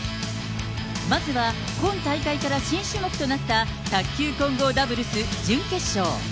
まずは今大会から新種目となった、卓球混合ダブルス準決勝。